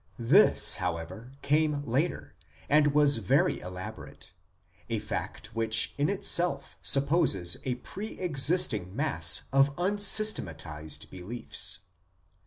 This, however, came later, and was very elaborate a fact which in itself supposes a pre existing mass of unsystematized beliefs.